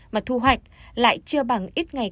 mà thu hoạch lại chưa bằng ít ngày